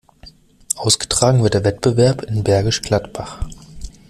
Ausgetragen wird der Wettbewerb in Bergisch Gladbach.